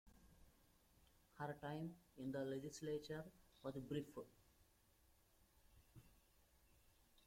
Her time in the legislature was brief.